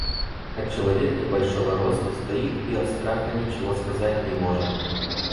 А человек небольшого роста стоит и от страха ничего сказать не может.